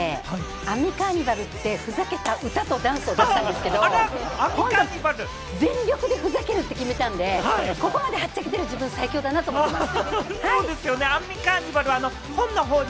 ５０代になって『アンミカーニバル』ってふざけた歌とダンスを出したんですけれども、全力でふざけるって決めたので、ここまではっちゃけてる自分最強だなと思ってます。